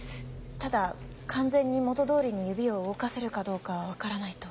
ただ完全に元通りに指を動かせるかどうかは分からないと。